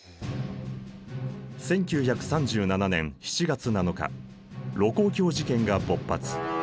１９３７年７月７日盧溝橋事件が勃発。